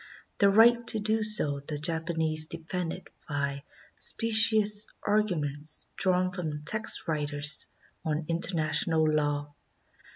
Their right to do so the Japanese defended by specious arguments drawn from text writers on international law.